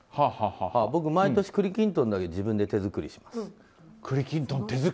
僕、毎年栗きんとんだけ自分で手作りします。